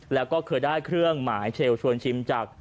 แล้วก็เคยได้เครื่องหมายเชลลชวนชิมจาก